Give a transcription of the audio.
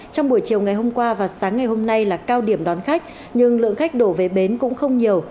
trong buổi chiều ngày hôm qua và sáng ngày hôm nay là cao điểm đón khách nhưng lượng khách đổ về bến cũng không nhiều